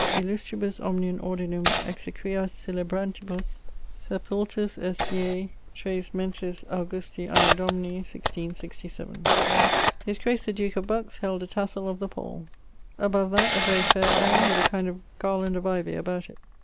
] illustribus omnium ordinum exequias celebrantibus, sepultus est die 3 mensis Augusti anno Domini 1667. [LI.] His grace the duke of Bucks held a tassell of the pall. Above that a very faire urne, with a kind of ghirland of ivy about it.